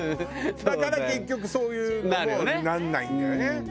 だから結局そういうなんないんだよね。